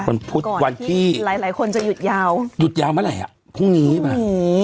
พุธวันที่หลายหลายคนจะหยุดยาวหยุดยาวเมื่อไหร่อ่ะพรุ่งนี้มาพรุ่งนี้